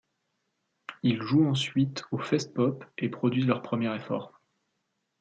Ils jouent ensuite au Festpop et produisent leur premier effort.